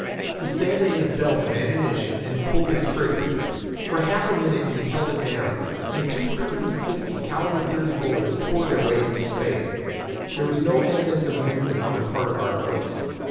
He fed in a belt of ammunition and pulled his trigger. For half a minute he held it down, and two hundred and fifty caliber thirty bullets tore their way into space. There was no evidence of movement on the part of our host.